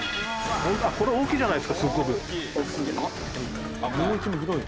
これ大きいじゃないですかすごく。